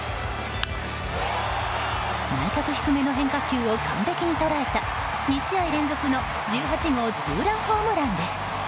内角低めの変化球を完璧に捉えた２試合連続の１８号ツーランホームランです。